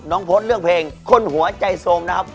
น้องโพธเลือกเพลงคนหัวใจโทรมนะครับ